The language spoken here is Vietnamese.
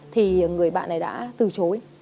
thì người bạn này đã từ chối